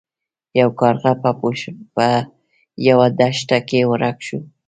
یو کارغه په یوه دښته کې ورک شو.